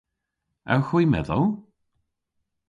Ewgh hwi medhow?